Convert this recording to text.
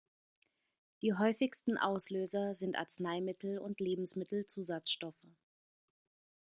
Die häufigsten Auslöser sind Arzneimittel und Lebensmittelzusatzstoffe.